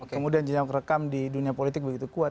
kemudian jenis yang kerekam di dunia politik begitu kuat